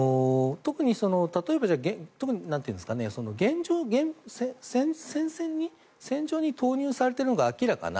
特に現状戦場に投入されているのが明らかな